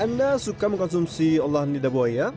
anda suka mengkonsumsi olahan lidah buaya